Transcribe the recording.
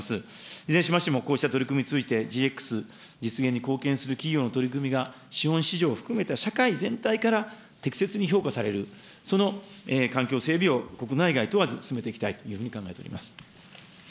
いずれにしましてもこうした取り組みを通じまして、ＧＸ実現に貢献する企業の取り組みが資本市場を含めた社会全体から適切に評価される、その環境整備を国内外問わず進めていきたいと考えております。